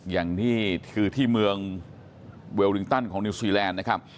อย่างนี้คือที่เมืองเวลลิงตันของนิวซีแลนด์นะครับ